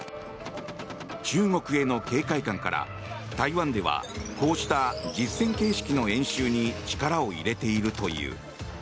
中国への警戒感から台湾ではこうした実戦形式の演習に力を入れているという。